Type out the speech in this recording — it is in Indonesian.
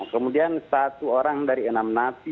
kemudian satu orang dari enam napi